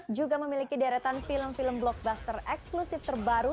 dan juga memiliki deretan film film blockbuster eksklusif terbaru